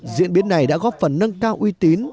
diễn biến này đã góp phần nâng cao uy tín